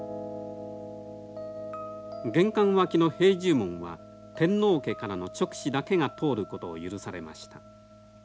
玄関脇の塀重門は天皇家からの勅使だけが通ることを許されました。